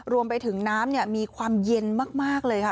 รวมไปถึงน้ำมีความเย็นมากเลยค่ะ